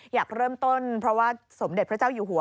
อยากเริ่มต้นเพราะว่าสมเด็จพระเจ้าอยู่หัว